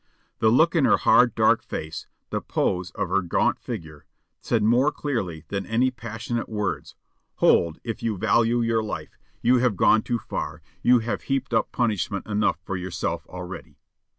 The look in her hard, dark face, the pose of her gaunt figure, said more clearly than any passionate words, "Hold, if you value your life! you have gone too far; you have heaped up punishment enough for yourself already."